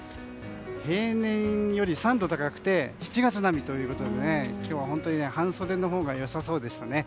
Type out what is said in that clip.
平年より３度高くて７月並みということで今日は本当に半袖のほうが良さそうでしたね。